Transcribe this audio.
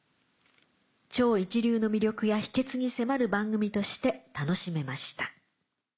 超一流の魅力や秘訣に迫る番組として楽しめました」。